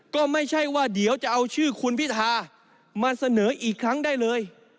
ก็ไม่ใช่ว่าเดี๋ยวจะเอาชื่อคุณพิธามาเสนออีกครั้งได้เลย